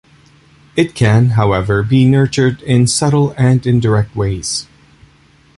It can, however, be nurtured in subtle and indirect ways.